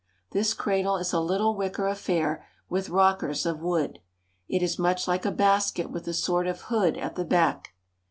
This cradle is a little wicker affair with rockers of wood. It is much like a basket with a sort of hood at the back.